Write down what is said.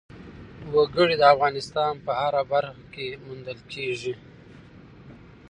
وګړي د افغانستان په هره برخه کې موندل کېږي.